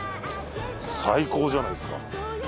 最高じゃないですか。